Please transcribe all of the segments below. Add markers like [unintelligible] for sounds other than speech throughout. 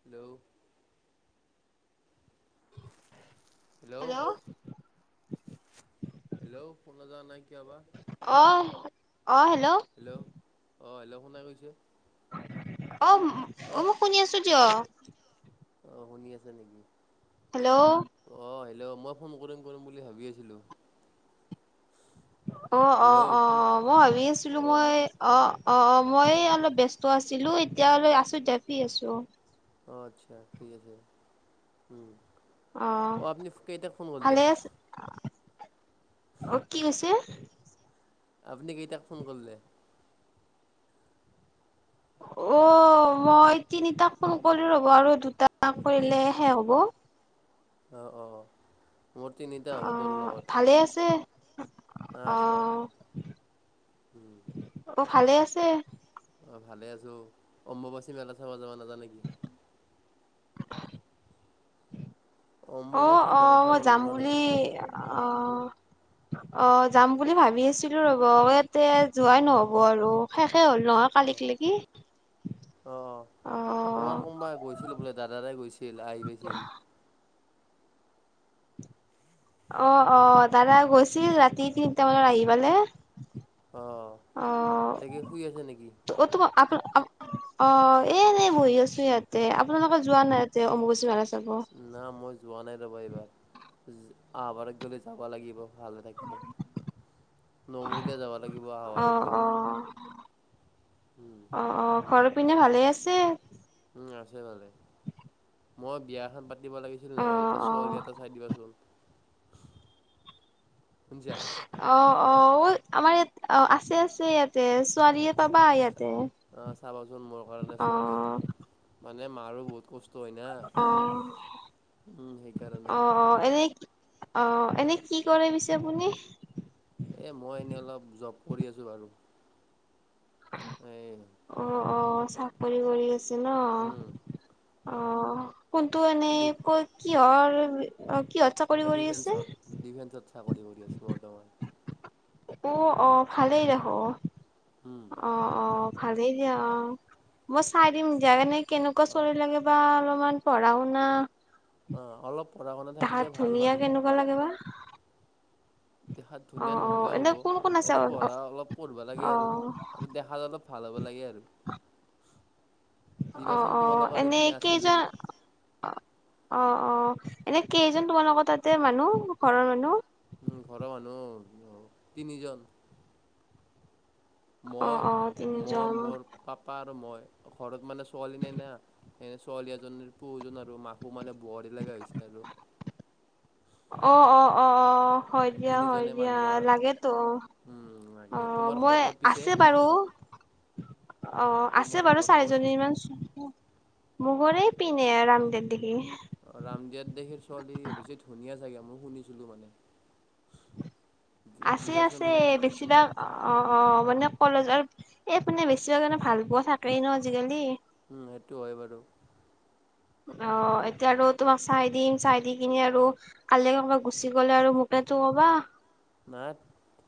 Hello hello. Hello শুনা যোৱা নাই কিয়বা। অ অ' হেল্ল' অ', হেল্ল' কোনে কৈছে? অ'অ'মই শুনি আছো দিয়ক। অ শুনি আছে নেকি? হেল্ল'। অঁ হেল্ল' মই ফোন কৰিম কৰিম বুলি ভাবি আছিলোঁ। অ', অ', হেল্ল' শুনা অ', মই ভাবি আছিলো। অঁ মই অ' অ'অ' মই অলপ ব্যস্ত আছিলো। এতিয়ালৈ আছো তেপি আছো। অ অ'আচ্ছা ঠিক আছে উম। আহ ভালে আছে। কি কৈছে? আপুনি কেইটাক ফোন কৰিলে? অহ। মই তিনিটাক ফোন কৰি ৰব আৰু দুটামান কৰিলেহে শেষ হ'ব। অ', অ', মোৰ তিনিটা হ'ব অ তোৰ ভালে আছে লগত। অ আছো উম। অ ভালে আছে। অ ভালে আছো। অম্বুবাচী মেলা চাব যাব নাজা নেকি? অম্বুবাচী মেলা চাব অ'অ'মই যাম নোযোৱা বুলি নেকি অ। অ যাম বুলি ভাবি আছিলো, ৰব ইয়াতে যোৱাই নহ'ব আৰু শেষ। শেষ হ'ল নহয় কালিক লৈকে। অ', অ',। অ', অ', দাদা গৈছিল ৰাতি তিনি। তেওঁলোক আহি উম, পালে অহ, অ', এতিয়া কি শুই আছে নেকি? অ', তোমা আপোন। অ এ এনে বহি আছো ইয়াতে। আপোনালোকৰ যোৱা নাই এতিয়া অম্বুবাচী মেলা চাব। অ না মই যোৱা নাই ৰবা এইবাৰ। আহবাৰত গ'লে যাব লাগিব। ভালে থাকিলে, নমৰিলে যাব লাগিব, আহাবাৰত গ'লে। উম, অ'অ'ঘৰ পিনে ভালেই আছে? উম, আছে ভালে। মই বিয়া এখন পাতিব লাগিছিল অ নহয় এটা অ ছোৱালী এটা চাই দিবাচোন। শুনচা। অ অ', আমাৰ ইয়াত অ', আছে, আছে ইয়াত তে অহ, ছোৱালীয়ে পাবা ইয়াতে অহ, চাবাচোন মোৰ কাৰণে ছোৱালী এটা। অ'। মানে মাৰো বহুত কষ্ অ', উম, অ, সেইকাৰণে। অ, এনেই অ', এনে কি কৰে পিছে আপুনি? এই মই এনেই অলপ জব কৰি আছোঁ বাৰু। এই অ', অ', চাকৰি কৰি ছে উম, ন' অ', কোনটো এনেই ডি ক'ত কিহৰ [inaudible] এ কৰি আছে? ডিফেন্সত, ডিফেন্সত চাকৰি কৰি আছোঁ বৰ্তমান। অ', অ', ভালেই দেখ' অ', উম, অ'। ভালেই দিয়া অ' মই চাই দিম দিয়া, এনে কেনেকুৱা অহ। ছোৱালী লাগে বা অলপমান। পঢ়া-শুনা অ' অলপ পঢ়া শুনা থাকিলে ভাল ধুনীয়া বাৰু। কেনেকুৱা লাগে বা দেখাত ধুনীয়া অ', অ', নহ'লেও এনে হ'ব, কোন কোন আছে এনে অ', পঢ়া অলপ পঢ়িবা লাগে অ', আৰু দেখাত অলপ ভাল। হ'ব লাগে আৰু। অ' দিবাচোন অ' তোমালোকৰ এনেই সেইপিনে আছে কেইজন যদি অ' অ' এনেই কেইজন তোমালোকৰ তাতে মানুহ ঘৰৰ মানুহ। উম, ঘৰৰ মানুহ তিনিজন। অ মই, অ মই তিনিজন মোৰ পাপা আৰু মই। ঘৰত মানে ছোৱালী নাই না, এনে ছোৱালী এজনীৰ প্ৰয়োজন আৰু মাকো মানে বোৱাৰী লগা হৈছে। হেল্ল' অ' অ' অ' অ' হয় দিয়া, হয় তিনিজনে দিয়া, মানুহ আৰু লাগেতো। লাগে অ' তোমাৰ ঘৰ মই ক'ত পিছে আছে বাৰু। অ আছে তোমাৰ বাৰু ঘৰ ক'ত চাৰিজনীমান মুগৰে পিনে ৰামদেৱ দিগি। অ ৰামদিয়াত দেশীৰ ছোৱালী বেছি ধুনীয়া জাগা মই শুনিছিলো মানে। আছে, দিবাচোন আছে, মোক উম, বেছিভাগ অ' অ' মানে কলেজৰ এইপিনে বেছি কাৰণে ভাল পোৱা থাকেই ন আজিকালি। উম, হেইটো হয় বাৰু। ত অ' এতিয়া আৰু [unintelligible] চাই দিম চাই দি কিনে আৰু কালি ক গুচি গ'লে আৰু মোকেতো কবা। নাই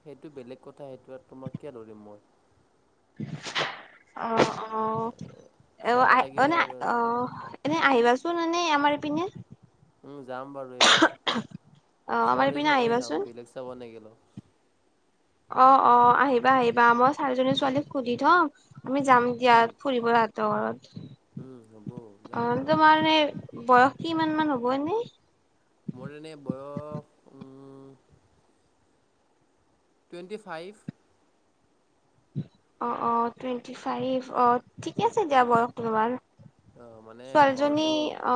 সেইটো বেলেগ কথা, সেইটো তোমাক কিয় ধৰিম মই। অ' অ'। চাব অ' অ' আহ লাগিব এনে বাৰু এজনী অ' এনে আহিবাচোন। আমাৰ এইপিনে। উম যাম বাৰু এইবাৰ, অ আমাৰ ছোৱালী পিনে চাবই যাম আহিবাচোন বেলেগ চাব নগলেও। অ' অ' আহিবা, আহিবা, মই চাৰিজনী উম, ছোৱালীক সুধি থম। আমি যাম উম, দিয়াত ফুৰিব তাহঁতৰ ঘৰত। উম, হ'ব যাম অ, বাৰু তোমাৰ এনে বয়স কিমান মান হ'ব এনে? মোৰ এনে বয়স উম টুৱেণ্টি ফাইভ। অ' অ' টুৱেণ্টি ফাইভ আহ ঠিকে উম, আছে দিয়া বয়স তোমাৰ। অ' মানে ছোৱালীজনী ঘৰটো অ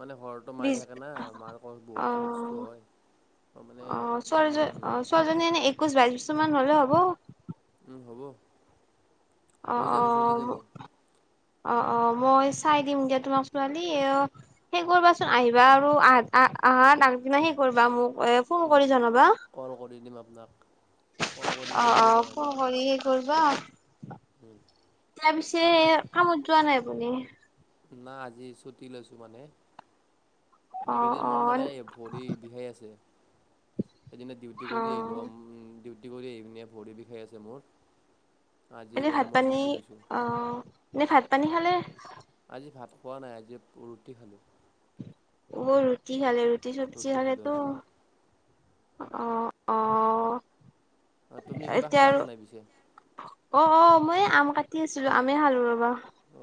মানে ঘৰটো মাই থাকে না মাৰো ঘৰত বহুত খৰছ। অহ' অ' ছোৱালীজনীৰ উম, অ' ছোৱালীজনী এনে একৈশ, বাইশ বছৰ মান হ'লে হ'ব। উম হ'ব, হৈ অ যাব, চলি যাব। অ অ মই চাই দিম দিয়া তোমাক ছোৱালী অ সেই কৰিবাচোন আহিবা আৰু আহ আহ আহা তাৰ আগদিনাই সি কৰিবা মোক এ ফোন উম, কৰি জনাবা। কল [inaudible] কল কৰি দি অ' পিনে প জনাই ফোন দিম। কৰি সে কৰিবা। তাৰ পিছে আপুনি কামত যোৱা নাই আপুনি? না আজি ছুটি লৈছো মানে। অ এইকেইদিন অ মোৰ মানে ভৰি বিহে আছে। সেইদিনা ডিউটি অ কৰি আহিলো উম ডিউটি কৰি আহি প ভৰি বিহে আছে মোৰ। আজি এনে ভাত সেইকাৰণে মই পানী ছুটি লৈছোঁ। অ' এনেই ভাত পানী খালে? আজি ভাত খোৱা নাই আজি ৰুটি খালো। অ ৰুটি খালে ৰুটি চব্জি খালে খালোঁ তো আজি। অ' অ' অ' তুমি কিবা এতিয়া খালা ন নাই পিছে? ময়ে আম কাটি আছিলো আমে খালো ৰবা।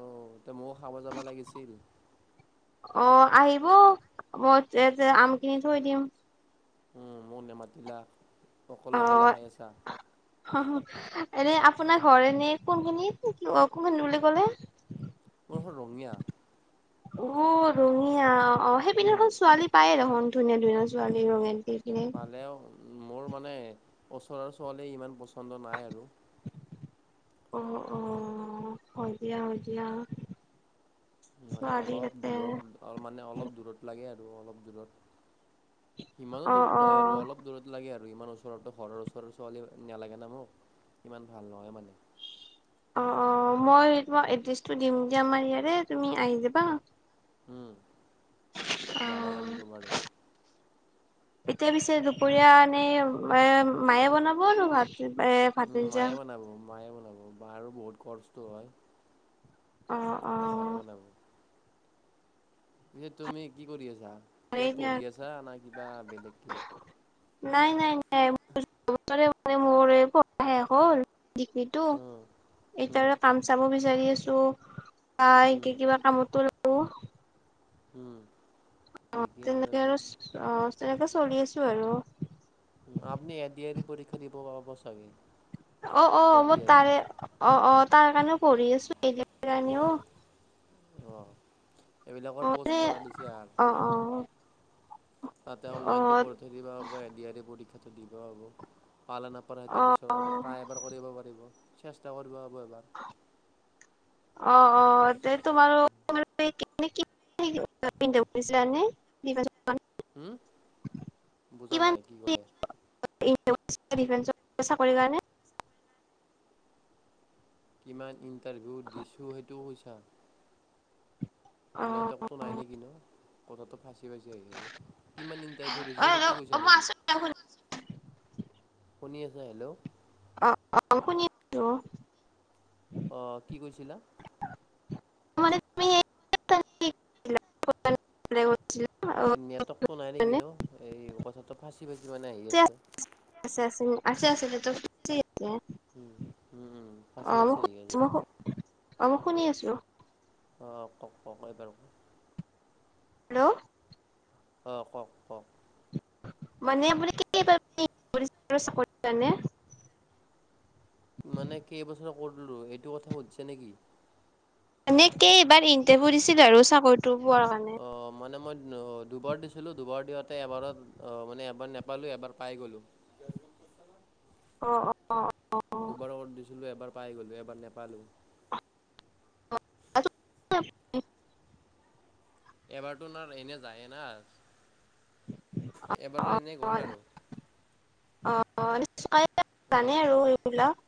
অ তে ময়ো খাব যাবা লাগিছিল। অ আহিব মই [unintelligible] আমখিনি থৈ দিম। উম মোক নামাতিলা। অ' [unintelligible] এনে আপোনাৰ ঘৰ এনে কোনখিনি অ কোনখিনি বুলি ক'লে? মোৰ ৰঙীয়া। অহ' ৰঙীয়া অ' সেইপিনে উম, দেখোন ছোৱালী পায় দেখোন। ধুনীয়া ধুনীয়া ছোৱালী উম। ৰোমাণ্টিক দি কিনে। পালেও মোৰ মানে ওচৰৰ ছোৱালী ইমান পচ আহ আহ হৈ দিয়া হৈ দিয়া। মানে ছোৱালী অলপ তাতে দূৰত মানে অলপ দূৰত লাগে আৰু অলপ দূৰত। ইমানো অ দূৰত অ নহয় আৰু অলপ দূৰত লাগে আৰু। আৰু ইমান ওচৰৰতো ঘৰৰ ওচৰৰ ছোৱালী নালাগে ন মোক ইমান ভাল নহয় মানে। অ' অ মই তোমাক এড্ৰেছটো দিম দিয়া আমাৰ ইয়াৰে তুমি আহি যাবা। উম অ যাব লাগিব বাৰু। এতিয়া পিছে দুপৰীয়া এনেই এ মায়ে বনাব আৰু ভাত। এই উম, ভাটনি মায়ে যে বনাব মায়ে বনাব মাৰোঁ বহুত কষ্ট হয় অ অ সে মায়ে বনাব। পিছে তুমি কি কৰি আছা হয় কিবা দিয়া পঢ়ি আছা না কিবা বেলেগ কিবা। নাই নাই নাই মানে মোৰ পঢ়া শেষ হ'ল ডিগ্ৰীটো উম, উম, এতিয়া কাম চামো বিচাৰি আছো। আহ একে উম, কিবা কামতো ৰো উম। অ' ঠিকে আছে তেনেকে আৰু অ' তেনেকে চলি আছো আৰু। আপুনি এডি এৰি পৰীক্ষা দিব পাব চাগে। অ' এ অ' ডি মই আৰ ই তাৰে অ' তাৰ কাৰণেও পঢ়ি আছোঁ। এইতি কাৰণেও অ', অ এইবিলাকৰ প'ষ্ট মানে খোলা দিছে আৰ। অ অ তাতে অ অনলাইনত কৰি থৈ দিবা এ ডি আৰ ই পৰীক্ষাটো দিব হ'ব। পালা নাপালা সেইটো অ পিছৰ কথা টাই এবাৰ কৰিব পাৰিব। চেষ্টা কৰিব হ'ব এবাৰ। অ' অ তে তোমাৰ [inaudible] উম বুজা নাই কি ক'লে। ডিফেন্সৰ চাকৰিৰ কাৰণে কিমান ইণ্টাৰভিউ দিছো সেইটোও কৈছা। অ অ নেটকতটো নাই নে কিনো কথাটো। আহ কিমান ইন্টাৰভিউ ছো সেইটো অ কৈছা মই নেকি? আছো শুনি আছা হেল্ল'। অ' অ' শুনি আছোঁ। আহ কি কৰিছিলা। তুমি। [unintelligible] এই নেটৰ্কতটো নাই নে কিনো এই কথাটো ফাচি- ফাচি মানে আহি আছে। আছে আছে আছে আছে নেটৱৰ্ক আছে উম- উম- উম অ মই ফাচি-ফাচি আহি আছে। শুনি আছো অ মই শুনি আছিলো। অ' কওক, কওক এই বাৰু হেল্ল'। আহ কওক-কওক। মানে আপুনি এই মানে কেইবছৰ কৰিলো এইটো কথা সুধছে নেকি? এনেকেই এইবাৰ ইণ্টাৰভিউ দিছিল আৰু চাকৰিটো পোৱাৰ কাৰণে নহয়, দুবাৰ দিছিলোঁ, দুবাৰ দিওঁতে এবাৰত অ' মানে এবাৰ নাপালোঁ এবাৰ পায় গ'লোঁ। [inaudible] অ' অ'। অ দুবাৰ দিছিলো, এবাৰ পাই গলো এবাৰ নেপালো। আ এবাৰতো ন এনে যায়ে না অ এবাৰৰ এনেই গ'ল আৰু অ' নি এনে জানে আৰু এইবিলাক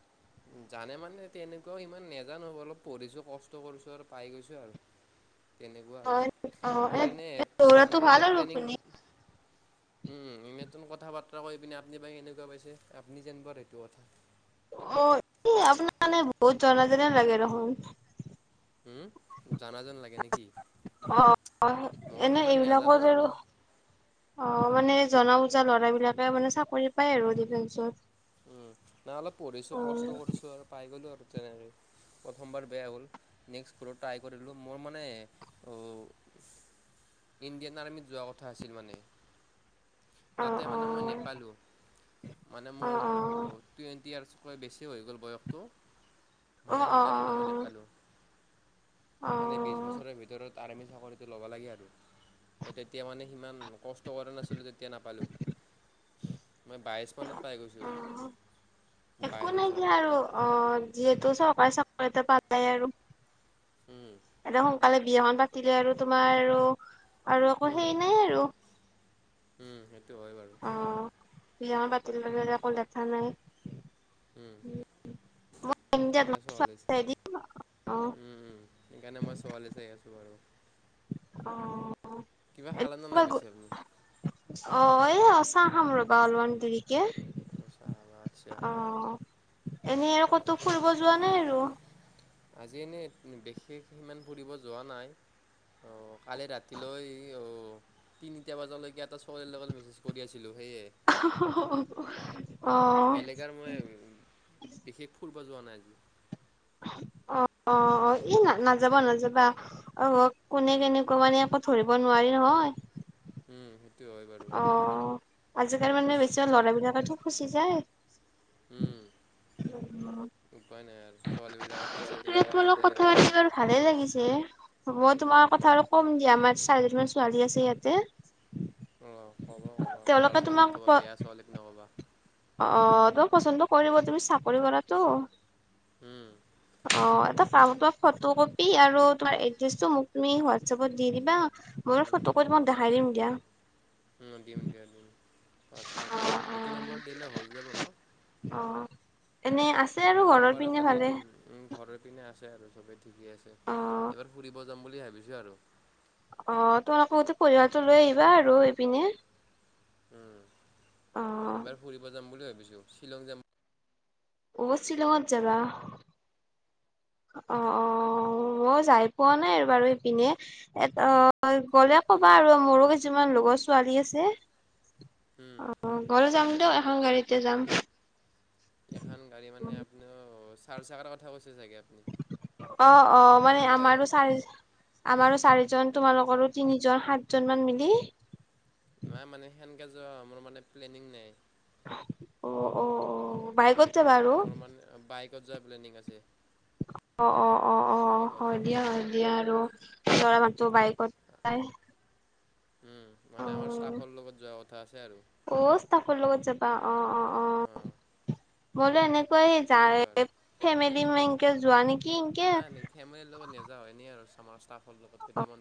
জানে মানে তেনেকুৱাও ইমান নোজানো অলপ পঢ়িছো কষ্ট কৰিছো আৰু পাই গৈছো আৰু তেনেকুৱা অ আৰু অ এ মোৰ এনে, দৌৰাটো মোৰ ভাল এনে আৰু প্লেনিং। আপুনি উম এইমাত্ৰ কথা বাৰ্তা কৈ পিনে আপুনি বাই কেনেকুৱা পাইছে, আপুনি যেন বাৰ সেইটো কথা। অ' আপোনানে বহুত জনা জনে লাগেৰ দেখোন। উম'। জানা যেন লাগে নেকি অ অ মই এনে সিমান নাজানো এইবিলাকত আৰু অ' মানে জনা বুজা ল'ৰা বিলাকে মানে চাকৰি পায় আৰু ডিফেন্সত। উম' নাই অলপ পঢ়িছো অ কষ্ট কৰিছো আৰু পাই গলো আৰু তেনেকৈ প্ৰথমবাৰ বেয়া হ'ল, নেক্সট কৰো ট্ৰাই কৰিলোঁ মোৰ মানে ইণ্ডিয়ান আৰ্মিত যোৱা কথা আছিল মানে অ তাতে মানে মই নেপালোঁ, মানে অ মোৰ অ টুৱেণ্টি ইয়াৰ্ছতকৈ বেছি হৈ গ'ল বয়সটো। অ মানে অ অ সেইকাৰণে মই নেপালো অ অ মানে বিশ বছৰৰ ভিতৰত। আমি চাকৰিটো ল'ব লাগে আৰু মই তেতিয়া মানে সিমান কষ্ট কৰা নাছিলো তেতিয়া নাপালো মই বাইশ মানত পাই গৈছো। অ একো নাই দিয়া য় আৰু অ' যিহেতু চা চাকৰি পালাই আৰু উম এতিয়া সোনকালে বিয়াখন পাতিলে আৰু তোমাৰ আৰু আৰু আকৌ উম সেই নাই আৰু উম। হয় বাৰু অ' বিয়াৰ পাতিল একো দেখা নাই। উম'। সেইকাৰণে ছোৱালী অ উম, উম সেইকাৰণে মই ছোৱালী চাই আছো। বাৰু। অ', -অ' কিবা খালে নে নাই পিছে আপুনি? অ' এই চাহ খাম ৰবা অলমান দেৰিকে অ', চাহ ভাত চাহ অ' এনেই আৰু ক'তো অ', ফুৰিব যোৱা নাই আৰু। আজি এনেই বিশেষ সিমান ফুৰিব যোৱা নাই। অ' কালি ৰাতিলৈ অ' তিনিটা বজালৈকে এটা ছোৱালী লগত মেচেজ কৰি আছিল। [unintelligible] বেলেগ আৰু মই বিশেষ ফুৰিব যোৱা নাই আজি। অ' অ' অ' ই না নাযবা নাযাবা আহ কোনে উম, কেনেকুৱা মানে ক'ত ধৰিব নোৱাৰি নহয়। উম। হয় বাৰু। অ', আজিকালি মানে বেছি ল'ৰাবিলাকেটো ফুচি যায়। উম উম উপাই নাই আৰু ছোৱালীবিলাকে ফাচে দিয়ে আৰু তোমাৰ ফাচি লগত যায় কথা আৰু পাতি বাৰু এনেকে। ভালে লাগিছে মই তোমাৰ কথা আৰু ক'ম দিয়া আমাৰ চাৰিজনমান ছোৱালী আছে ইয়াতে। অঁ ক'বা ক'বা ভাল তেওঁলোকে ছোৱালীক তোমাক ক'বা বেয়া ছোৱালীক নক'বা অ', তই পচন্দ কৰিব তুমি চাকৰি কৰাটো। উম। অ', এটা পাম ত' ফটো কপি আৰু তোমাৰ এড্ৰেছটো মোক তুমি হোৱাটছএপত দি দিবা। মই উম, ফটো হ'ব কৰি তোমাক হ'ব দেখাই দিম দিয়া। উম, দিম দিয়া দিম হোৱাটছএপত দি দিম, এটো নম্বৰত দিলে হৈ যাব ন'। অ', এনে আছে আৰু সেটো ঘৰৰ নাম্বাৰ পিনে এটা দি ভালে। দিম উম, ঘৰ পিনে আছে আৰু চবেই। ঠিকে আছে, অ', এইবাৰ ফুৰিব যাম বুলি ভাবিছোঁ আৰু। অ', তোমালোকৰ গোটে পৰিয়ালটো লৈ আহিবা আৰু এইপিনে। উম অ', এইবাৰ ফুৰিব যাম বুলি ভাবিছো শ্বিলং যাম অ'ব শ্বিলঙত যাবা। অ', অ', মই যায় পোৱা নাই আৰু বাৰু ইপিনে এট' গ'ল গ'লে ক'বা আপুনি আৰু মোৰো কিছুমান লগৰ ছোৱালী আছে। উম। ঘৰ যাম দিয়ক এখন গাড়ীতে যাম। এখন গাড়ী মানে আপুনি চাৰ চাৰকৰা কথা কৈছে চাগে আপুনি। অ', অ', মানে মই আমাৰো চাৰি, উম, আমাৰো চাৰিজন তোমালোকৰো তিনিজন, সাত জনমান মিলি। নাই মানে সেনকে যোৱা মোৰ মানে প্লেনিং নাই। অ', অ', অ', বাইকত যাবা আৰু মোৰ মানে বাইকত যোৱাৰ প্লেনিং আছে। অ', অ', অ', অ'। অ', বাইকত হয় যোৱা দিয়া প্লেনিং হয় মোৰ দিয়া আৰু ল'ৰা মানুহটো বাইকত যায়। উম অ মানে আমাৰ ষ্টাফৰ লগত যোৱা কথা আছে আৰু অ ষ্টাফৰ লগত যাবা অ' অ'অ'। অ'। সেই এনেকুৱাই যায় তেনেকুৱা আৰু। ফেমিলি এনেকে যোৱা নেকি এনকে নাইে নিঠিমাই লগত নাযাওঁ এনেই আৰু আমাৰ ষ্টাফৰ লগত কেইটামান